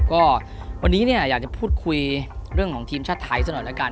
ก็วันนี้เนี่ยอยากจะพูดคุยเรื่องของทีมชาติไทยซะหน่อยแล้วกัน